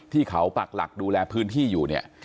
ที่เขาปักหลักดูแลพื้นที่อยู่เนี่ย